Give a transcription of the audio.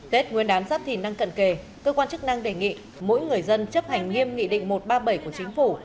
tết nguyên đán giáp thì năng cận kề cơ quan chức năng đề nghị mỗi người dân chấp hành nghiêm nghị định một trăm ba mươi bảy của chính phủ